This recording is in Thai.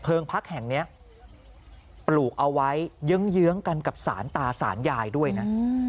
พักแห่งนี้ปลูกเอาไว้เยื้องกันกับสารตาสารยายด้วยนะ